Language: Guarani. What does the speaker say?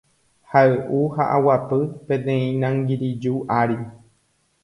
hay'u ha aguapy peteĩ nangiriju ári.